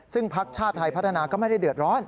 ซึ่งพักชาติไทยพัฒนาก็ไม่ได้เดือดร้อน